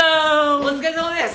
お疲れさまです！